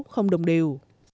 không đồng điều